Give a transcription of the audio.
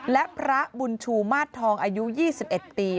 และพระบุญชูมาสทองอายุ๒๑ปี